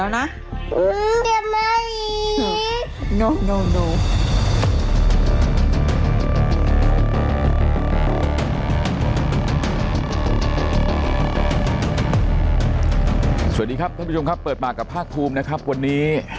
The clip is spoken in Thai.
สวัสดีครับท่านผู้ชมครับเปิดปากกับภาคภูมินะครับวันนี้